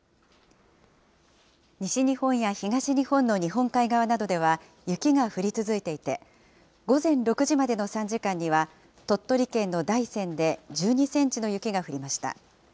西日本や東日本の日本海側などでは、雪が降り続いていて、午前６時までの３時間には、鳥取県の大山で１２センチの雪が降りました。